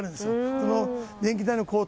その電気代の高騰。